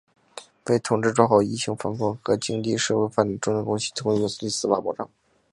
为统筹抓好疫情防控和经济社会发展重点工作提供有力司法保障